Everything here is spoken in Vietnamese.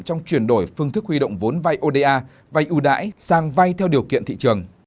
trong chuyển đổi phương thức huy động vốn vay oda vay ưu đãi sang vay theo điều kiện thị trường